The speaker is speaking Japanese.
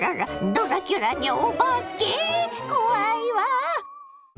ドラキュラにお化け⁉怖いわ！